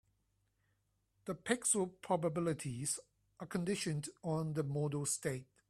The pixel probabilities are conditioned on the model state.